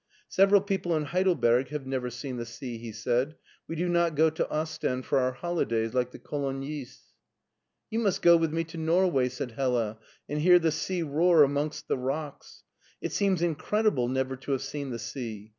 "Several people in Heidelberg have never seen the sea/' he said ;" we do not go to Ostend for our holidays like the Colognese.'' "You must go with me to Norway," said Hdla, " and hear the sea roar amongst the rocks. It seems incredible never to have seen the sea.